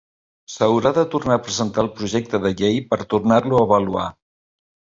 S'haurà de tornar a presentar el projecte de llei per tornar-lo a avaluar.